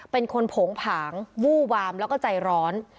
เป็นคนโผงผางวู้วามแล้วก็ใจร้อน